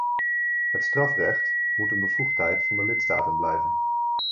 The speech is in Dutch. Het strafrecht moet een bevoegdheid van de lidstaten blijven.